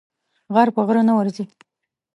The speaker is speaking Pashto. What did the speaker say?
غر په غره نه ورځي.